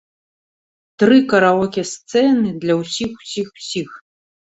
Тры караоке-сцэны для ўсіх-усіх-усіх.